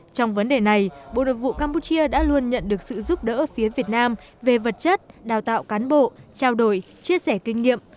trong vấn đề này bộ nội vụ campuchia đã luôn nhận được sự giúp đỡ phía việt nam về vật chất đào tạo cán bộ trao đổi chia sẻ kinh nghiệm